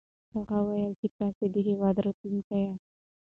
هغه وويل چې تاسې د هېواد راتلونکی ياست.